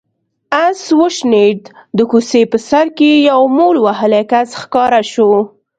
آس وشڼېد، د کوڅې په سر کې يو مول وهلی کس ښکاره شو.